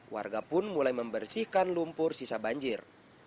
warga pun mulai membersihkan lumpur sisa banjir